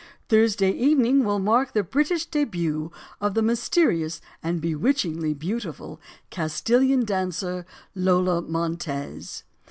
Thursday evening will mark the British debut of the mysterious and bewitchingly beau tiful Castilian dancer, Lola Montez.